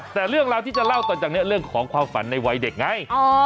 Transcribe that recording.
แต่เรื่องราวที่จะเล่าต่อจากนี้เรื่องของความฝันในวัยเด็กไง